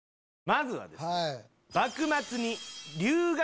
まずはですね。